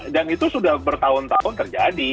dan itu sudah bertahun tahun terjadi